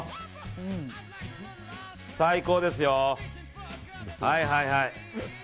最高ですよ、はいはいはい。